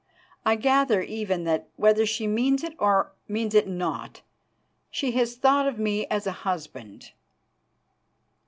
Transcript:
I gather, even, that, whether she means it or means it not, she has thought of me as a husband."